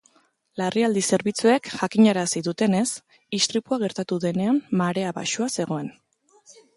Larrialdi-zerbitzuek jakinarazi dutenez, istripua gertatu denean marea baxua zegoen.